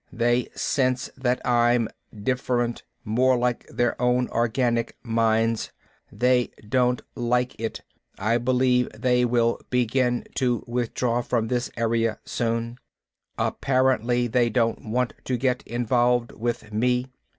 "They sense that I'm different, more like their own organic mines. They don't like it. I believe they will begin to withdraw from this area, soon. Apparently they don't want to get involved with me.